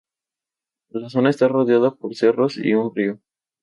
La zona está rodeada por cerros y un río.